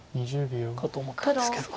かと思ったんですけど。